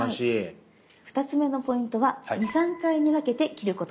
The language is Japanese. ２つ目のポイントは２３回に分けて切ることです。